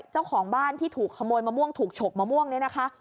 เจ้าของบ้านที่ถูกขโมยมะม่วงถูกฉกมะม่วงเนี่ยนะคะ